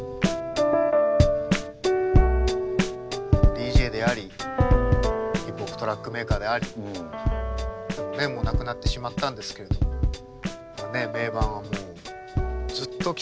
ＤＪでありヒップホップトラックメーカーでありもう亡くなってしまったんですけれども名盤はずっと聴かれ続けてますから。